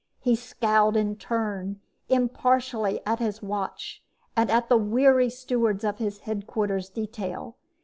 He scowled in turn, impartially, at his watch and at the weary stewards of his headquarters detail.